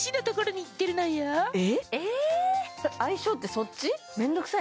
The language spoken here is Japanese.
相性ってそっち？え？